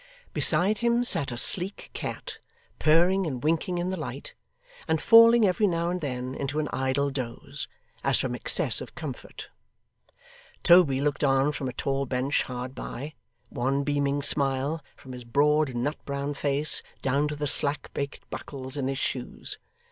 Beside him sat a sleek cat, purring and winking in the light, and falling every now and then into an idle doze, as from excess of comfort. Toby looked on from a tall bench hard by; one beaming smile, from his broad nut brown face down to the slack baked buckles in his shoes.